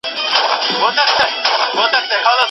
که واکسین وي نو فلج نه راځي.